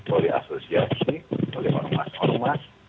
oleh asosiasi oleh orang orang mas